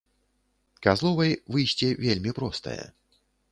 Казловай, выйсце вельмі простае.